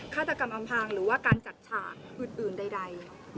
ฆาตกรรมอำพางหรือว่าการจัดฉากอื่นใด